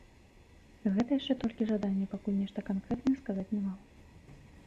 Гэта яшчэ толькі жаданне, пакуль нешта канкрэтнае сказаць не магу.